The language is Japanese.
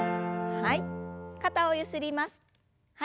はい。